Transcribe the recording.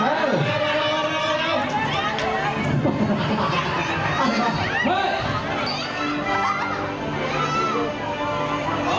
มา